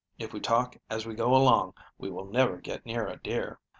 If we talk as we go along, we will never get near a deer."